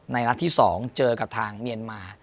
ในลักษณ์ที่๒เจอกับทางเมียนมา